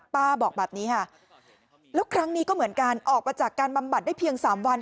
บอกแบบนี้ค่ะแล้วครั้งนี้ก็เหมือนกันออกมาจากการบำบัดได้เพียง๓วัน